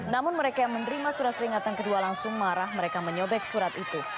namun mereka yang menerima surat peringatan kedua langsung marah mereka menyobek surat itu